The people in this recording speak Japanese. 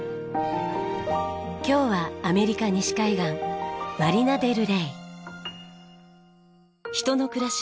今日はアメリカ西海岸マリナ・デル・レイ。